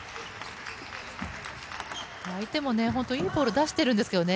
相手もいいボールを出しているんですけどね。